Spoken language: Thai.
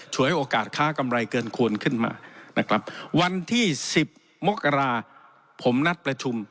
โอกาสค้ากำไรเกินควรขึ้นมานะครับวันที่สิบมกราผมนัดประชุม